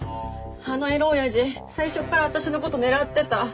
あのエロおやじ最初から私の事狙ってた。